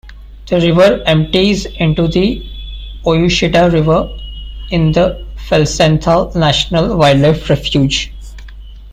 The river empties into the Ouachita River in the Felsenthal National Wildlife Refuge.